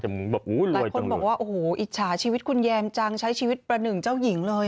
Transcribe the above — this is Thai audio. หลายคนบอกว่าโอ้โหอิจฉาชีวิตคุณแยมจังใช้ชีวิตประหนึ่งเจ้าหญิงเลย